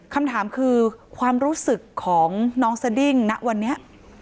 คำถามคือความรู้สึกของน้องสดิ้งณวันนี้